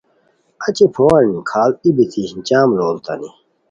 اچی پووان کھاڑ ای بیتی جم لوڑیتانی